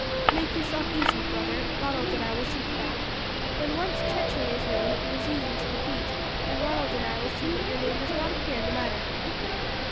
"Make yourself easy, brother; Ronald and I will see to that. When once treachery is known it is easy to defeat, and Ronald and I will see that your name does not appear in the matter."